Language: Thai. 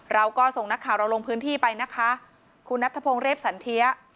เราก็ส่งนักข่าวเราลงพื้นที่ไปนะคะคุณนัทธพงศ์เรฟสันเทีย